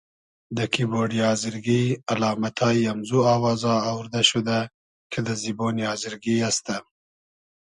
دۂ کیبۉرۮی آزرگی الامئتای امزو آوازا اووردۂ شودۂ کی دۂ زیبۉنی آزرگی است.